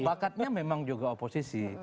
bakatnya memang juga oposisi